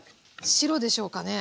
白でしょうかね？